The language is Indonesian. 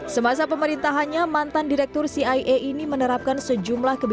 semasa pemerintahannya mantan direktur cia ini menerapkan sejumlah kebijakan